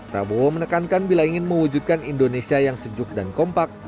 prabowo menekankan bila ingin mewujudkan indonesia yang sejuk dan kompak